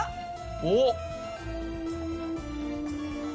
おっ。